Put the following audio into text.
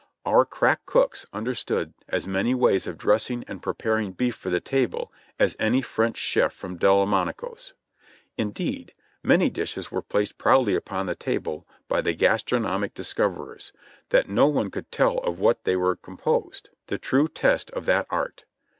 Our crack cooks understood as many ways of dressing and preparing beef for the table as any French chef from Del monico's. Indeed, many dishes were placed proudly upon the table by the gastronomic discoverers, that no one could tell of what they were composed — the true test of that art.